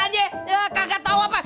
gagak tau apa